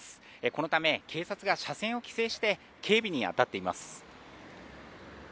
このため警察が車線を規制して警備にあたっています。